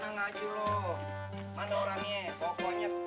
tenang aja lo mana orangnya pokoknya